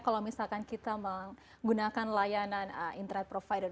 kalau misalkan kita menggunakan layanan internet provider